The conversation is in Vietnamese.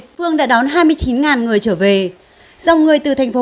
địa phương đã đón hai mươi chín người trở về